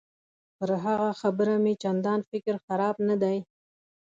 پر هغه خبره مې چندان فکر خراب نه دی.